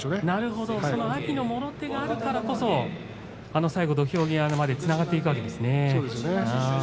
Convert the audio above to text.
なるほど、その阿炎のもろ手があるからこそ最後の土俵際までつながっていくわけですね。